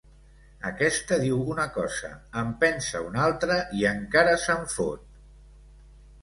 Aquesta diu una cosa, en pensa una altra i encara se'n fot.